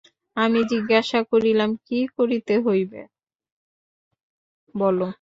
আমি জিজ্ঞাসা করিলাম, কী করিতে হইবে বলো।